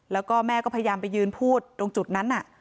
แล้วก็แม่ก็พยายามไปยืนพูดตรงจุดนั้น